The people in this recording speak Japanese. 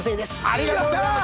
ありがとうございます。